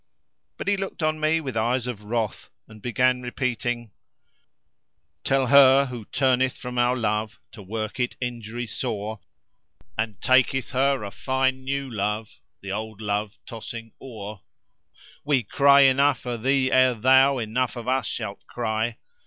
But he looked on me with eyes of wrath, and began repeating:— "Tell her who turneth from our love to work it injury sore, * And taketh her a fine new love the old love tossing o'er: We cry enough o' thee ere thou enough of us shalt cry!